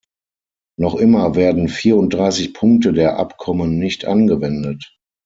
Noch immer werden vierunddreißig Punkte der Abkommen nicht angewendet.